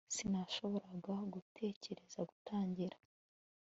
sinashoboraga gutegereza gutangira